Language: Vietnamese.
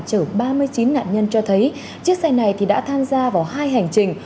chở ba mươi chín nạn nhân cho thấy chiếc xe này đã tham gia vào hai hành trình